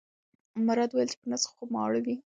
مراد وویل چې په نس خو ماړه دي.